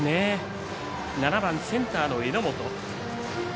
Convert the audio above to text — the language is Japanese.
７番センターの榎本。